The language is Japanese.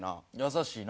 優しいな。